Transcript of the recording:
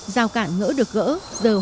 giao cản ngỡ được gỡ giờ hóa